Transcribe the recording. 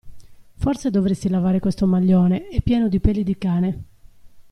Forse dovresti lavare questo maglione, è pieno di peli di cane!